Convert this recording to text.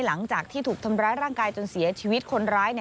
หลังจากที่ถูกทำร้ายร่างกายจนเสียชีวิตคนร้าย